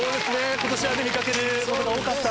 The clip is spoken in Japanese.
今年は見掛けることが多かった。